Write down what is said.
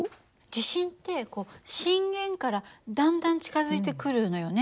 地震ってこう震源からだんだん近づいてくるのよね。